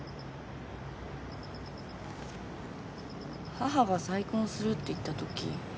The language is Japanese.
母が再婚するって言ったとき。